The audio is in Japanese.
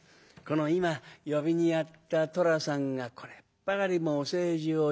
今呼びにやった寅さんがこれっぱかりもお世辞を言わない。